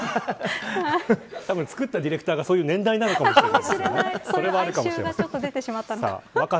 作ったディレクターがそういう年代なのかもしれないですね。